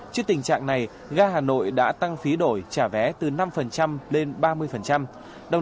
trước tình trạng này ga hà nội đã tăng phí đổi trả vé từ năm lên ba mươi